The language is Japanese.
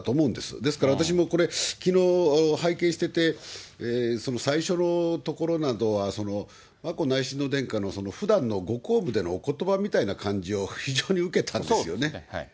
ですから、私もこれ、きのう拝見してて、最初のところなどは、眞子内親王殿下の、ふだんのご公務でのおことばみたいな感じを非常に受けたんですね。